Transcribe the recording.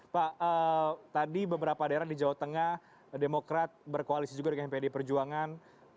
pak tadi beberapa daerah di jawa tengah demokrat berkoalisi juga dengan pdi perjuangan